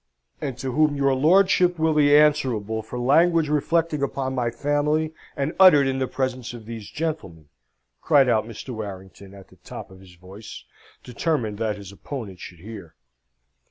"And to whom your lordship will be answerable for language reflecting upon my family, and uttered in the presence of these gentlemen," cried out Mr. Warrington, at the top of his voice, determined that his opponent should hear.